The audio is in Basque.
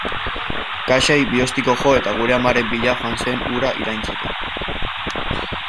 Kaxei bi ostiko jo eta gure amaren bila joan zen hura iraintzeko.